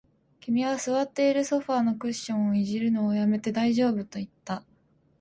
君は座っているソファーのクッションを弄るのを止めて、大丈夫と言った